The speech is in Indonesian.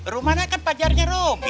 rumana kan pacarnya robi